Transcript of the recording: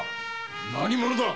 何者だ！？